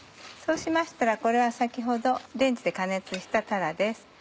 そうしましたらこれは先ほどレンジで加熱したたらです。